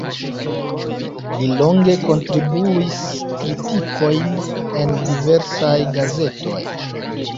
Li longe kontribuis kritikojn en diversaj gazetoj.